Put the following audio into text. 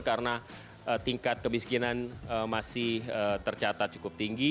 karena tingkat kemiskinan masih tercatat cukup tinggi